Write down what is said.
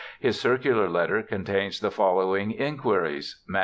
His circular letter con tains the following inquiries (MS.